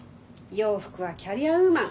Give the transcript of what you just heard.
洋服はキャリアウーマン。